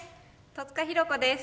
戸塚寛子です。